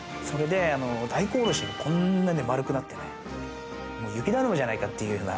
大根おろしもこんなに丸くなって雪だるまじゃないかっていうような。